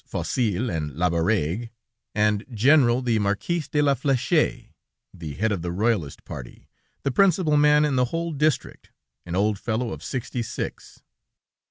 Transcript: Faucil and Labarrègue, and General, the Marquis de la Flèche, the head of the Royalist party, the principal man in the whole district, an old fellow of sixty six.